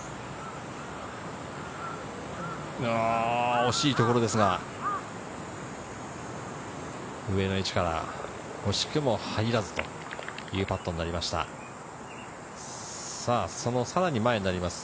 惜しいところですが、上の位置から惜しくも入らずというパットになりました。